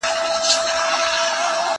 زه له سهاره کتاب وليکم؟؟